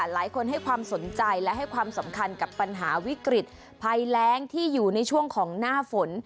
หลายคนให้ความสนใจและให้ความสำคัญกับปัญหาวิกฤตภัยแรงที่อยู่ในช่วงของหน้าฝน